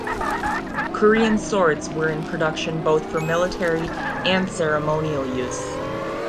Korean swords were in production both for military and ceremonial use.